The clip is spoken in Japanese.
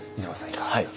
いかがですか？